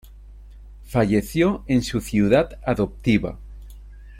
Falleció en su ciudad adoptiva.